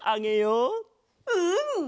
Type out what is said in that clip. うん！